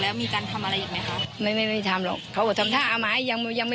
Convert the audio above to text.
นี้ค่ะนอกจากคุณป้าท่านนี้แล้ว